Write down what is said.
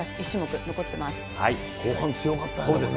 後半強かったよね。